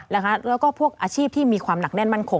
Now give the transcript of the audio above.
แล้วก็พวกอาชีพที่มีความหนักแน่นมั่นคง